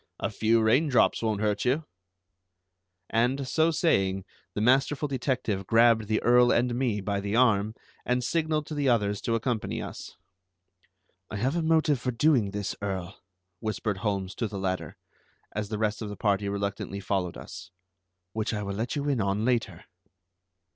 A few rain drops won't hurt you." And, so saying, the masterful detective grabbed the Earl and me by the arm and signalled to the others to accompany us. "I have a motive for doing this, Earl," whispered Holmes to the latter, as the rest of the party reluctantly followed us, "which I will let you in on later."